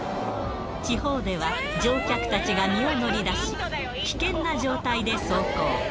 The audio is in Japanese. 地方では乗客たちが身を乗り出し、危険な状態で走行。